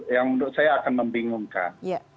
yang menurut saya akan membingungkan